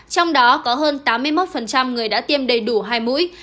trong đó có hơn tám mươi một người đã tiêm đầy đủ hai mũi